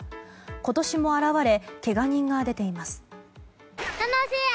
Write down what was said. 今年も現れけが人が出ています。